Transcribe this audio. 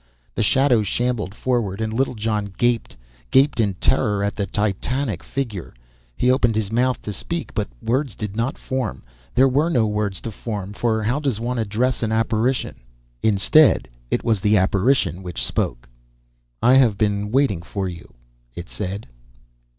The shadow shambled forward, and Littlejohn gaped, gaped in terror at the titanic figure. He opened his mouth to speak, but words did not form; there were no words to form, for how does one address an apparition? Instead, it was the apparition which spoke. "I have been waiting for you," it said.